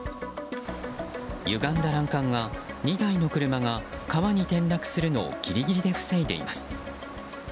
ゆがんだ欄干は２台の車が川に転落するのをギリギリで防いでいます。